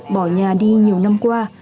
bỏ nhà đi nhiều năm qua